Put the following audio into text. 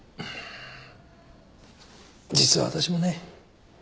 実は私もね